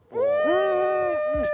うん！